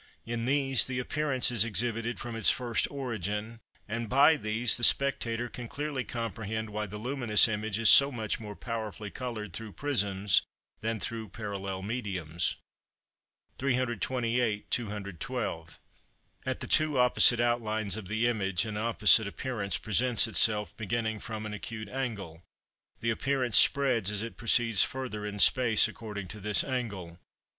In these the appearance is exhibited from its first origin, and by these the spectator can clearly comprehend why the luminous image is so much more powerfully coloured through prisms than through parallel mediums. 328 (212). At the two opposite outlines of the image an opposite appearance presents itself, beginning from an acute angle; the appearance spreads as it proceeds further in space, according to this angle.